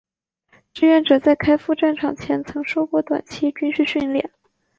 志愿者在开赴战场前曾受过短期军事训练。